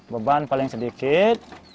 beban paling sedikit